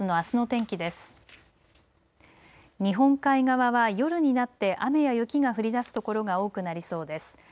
日本海側は夜になって雨や雪が降りだすところが多くなりそうです。